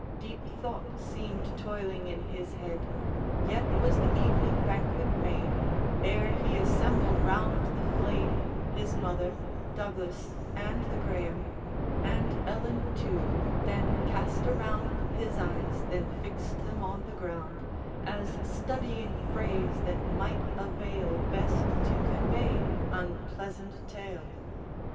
Deep thought seemed toiling in his head; Yet was the evening banquet made Ere he assembled round the flame His mother, Douglas, and the Graeme, And Ellen too; then cast around His eyes, then fixed them on the ground, As studying phrase that might avail Best to convey unpleasant tale.